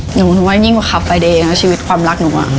หนูนึกว่ายิ่งกว่าขับไปเองนะชีวิตความรักหนู